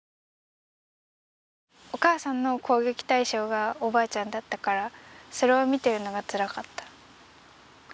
お母さんの攻撃対象がおばあちゃんだったからそれを見てるのがつらかった。